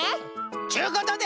っちゅうことで。